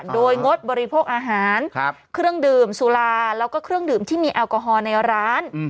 โดยงดบริโภคอาหารเครื่องดื่มสุราแล้วก็เครื่องดื่มที่มีแอลกอฮอล์ในร้าน